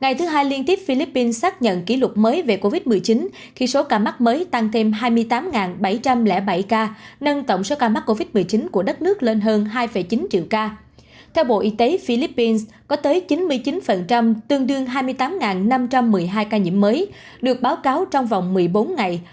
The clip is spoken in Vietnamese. y tế philippines có tới chín mươi chín tương đương hai mươi tám năm trăm một mươi hai ca nhiễm mới được báo cáo trong vòng một mươi bốn ngày